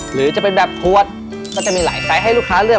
หรือจะเป็นแบบขวดก็จะมีหลายไซส์ให้ลูกค้าเลือก